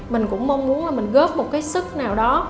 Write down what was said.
mình cũng mong muốn là mình góp một cái sức nào đó